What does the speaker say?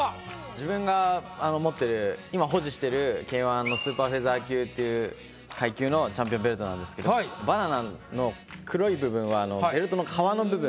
自分が持ってる今保持してるＫ−１のスーパーフェザー級っていう階級のチャンピオンベルトなんですけどバナナの黒い部分はベルトの皮の部分。